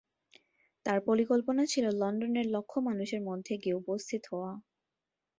তার পরিকল্পনা ছিল লন্ডনের লক্ষ মানুষের মধ্যে গিয়ে উপস্থিত হওয়া।